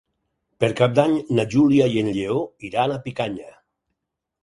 Per Cap d'Any na Júlia i en Lleó iran a Picanya.